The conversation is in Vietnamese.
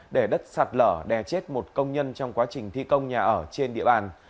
để đất sạt lở đè chết một công nhân trong quá trình thi công nhà ở trên địa bàn